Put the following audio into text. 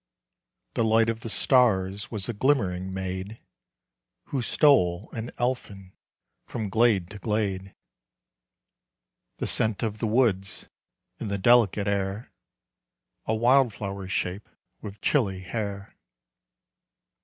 The Light of the Stars was a glimmering maid Who stole, an elfin, from glade to glade. The Scent of the Woods in the delicate air, A wildflower shape with chilly hair.